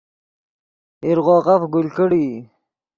ایرغوغف گل کڑیئی